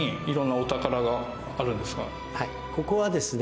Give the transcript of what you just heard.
はいここはですね